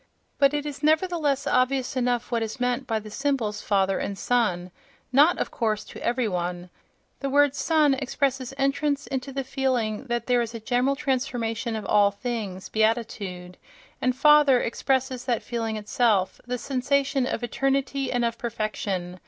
But it is nevertheless obvious enough what is meant by the symbols "Father" and "Son"—not, of course, to every one—: the word "Son" expresses entrance into the feeling that there is a general transformation of all things (beatitude), and "Father" expresses that feeling itself—the sensation of eternity and of perfection.